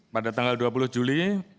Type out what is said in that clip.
pada tanggal dua puluh juli